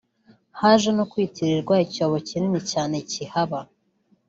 haje no kwitirirwa icyobo kinini cyane cyihaba